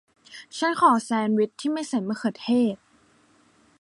ฉันขอแซนด์วิชที่ไม่ใส่มะเขือเทศ